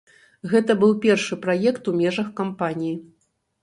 Гэта быў першы праект у межах кампаніі.